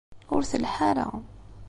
Ur telḥa ara.